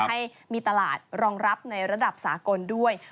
ให้มีตลาดรองรับในระดับสากลด้วย